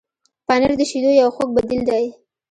پنېر د شیدو یو خوږ بدیل دی.